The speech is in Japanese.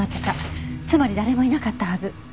つまり誰もいなかったはず。